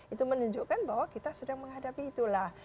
itu menunjukkan bahwa kita sedang menghadapi itulah